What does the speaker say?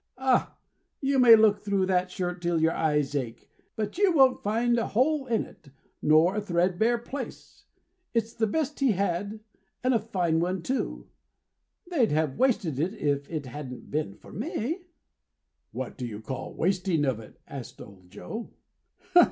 Ah! you may look through that shirt till your eyes ache; but you won't find a hole in it, nor a threadbare place. It's the best he had, and a fine one too. They'd have wasted it, if it hadn't been for me." "What do you call wasting of it?" asked old Joe.